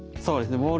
そうですね